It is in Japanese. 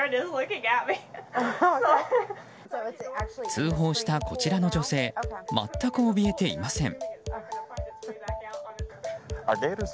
通報したこちらの女性全く怯えていません。